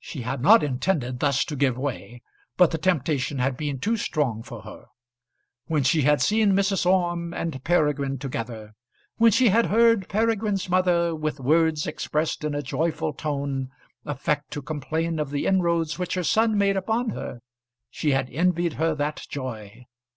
She had not intended thus to give way, but the temptation had been too strong for her. When she had seen Mrs. Orme and Peregrine together, when she had heard Peregrine's mother, with words expressed in a joyful tone, affect to complain of the inroads which her son made upon her, she had envied her that joy.